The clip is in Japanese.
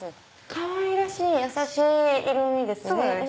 かわいらしいやさしい色味ですね。